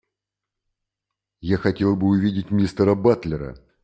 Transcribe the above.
Я хотел бы увидеть мистера Батлера.